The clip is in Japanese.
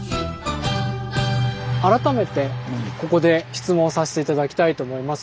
改めてここで質問させて頂きたいと思います。